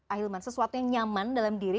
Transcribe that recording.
ahilman sesuatu yang nyaman dalam diri